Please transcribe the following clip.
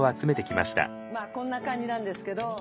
まあこんな感じなんですけど。